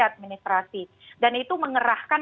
administratif dan itu mengerahkan